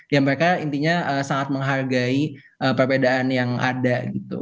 ya mereka intinya sangat menghargai perbedaan yang ada gitu